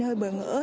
hơi bởi ngỡ